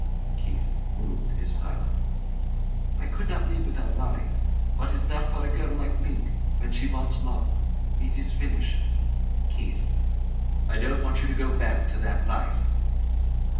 [KEITH, moved, is silent.] I could not live without Larry. What is left for a girl like me when she once love? It is finish. KEITH. I don't want you to go back to that life.